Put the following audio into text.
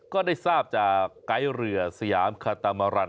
ก็ได้ทราบจากไกด์เรือสยามคาตามารัน